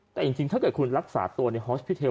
แต่จริงถ้าเกิดคุณรักษาตัวในฮอสพิเทล